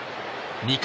２回。